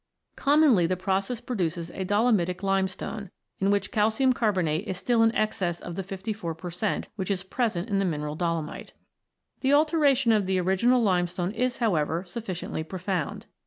Commonly, the process produces a Dolomitic Limestone, in which calcium carbonate is still in excess of the 54 per cent, which is present in the mineral dolomite. The alteration of the original limestone is, how ever, sufficiently profound.